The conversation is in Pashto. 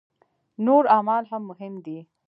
نور اعمال هم مهم دي.